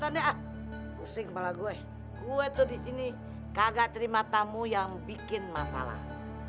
tanda kusik malah gue gue tuh disini kagak terima tamu yang bikin masalah maaf